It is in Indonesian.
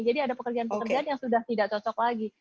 jadi ada pekerjaan pekerjaan yang sudah tidak cocok lagi